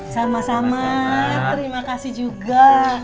sama sama terima kasih juga